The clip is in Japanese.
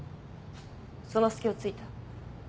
その隙を突いた。